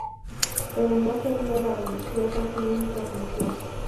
Pero no sería la religiosa su única función.